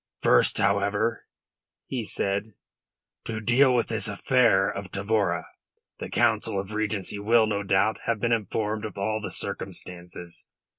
"First, however," he said, "to deal with this affair of Tavora. The Council of Regency will, no doubt, have been informed of all the circumstances.